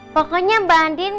pokoknya mbak andin